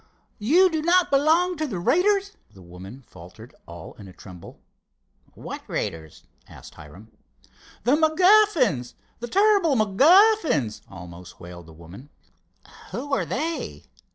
"You do not belong to the raiders?" the woman faltered, all in a tremble. "What raiders?" asked Hiram. "The MacGuffins—the terrible MacGuffins!" almost wailed the woman. "Who are they?"